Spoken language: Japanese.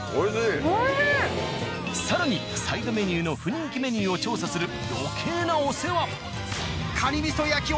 更に、サイドメニューの不人気メニューを調査する余計なお世話。